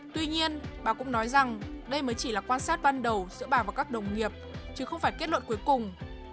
tuy nhiên bà cũng nói rằng đây mới chỉ là quan sát ban đầu giữa bà và các đồng nghiệp chứ không phải kết luận cuối cùng